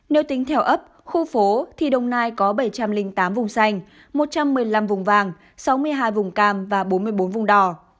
nếu tính theo ấp khu phố thì đồng nai có bảy trăm linh tám vùng xanh một trăm một mươi năm vùng vàng sáu mươi hai vùng cam và bốn mươi bốn vùng đỏ